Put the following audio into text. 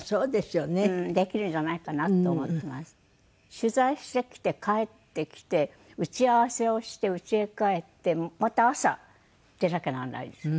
取材してきて帰ってきて打ち合わせをして家へ帰ってまた朝出なきゃならないですよね。